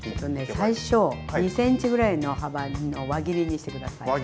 最初２ｃｍぐらいの幅の輪切りにして下さい。